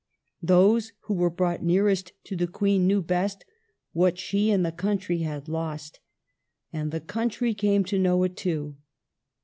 ^ Those who were brought nearest to the Queen knew best what she and the country had lost. And the country came to know it too.